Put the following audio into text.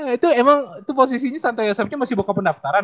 nah itu emang itu posisinya santai yosep nya masih boka pendaftaran